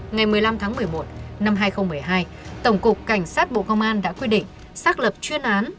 ngày một mươi năm tháng một mươi một năm hai nghìn một mươi hai tổng cục cảnh sát bộ công an đã quyết định xác lập chuyên án